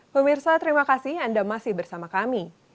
pemirsa terima kasih anda masih bersama kami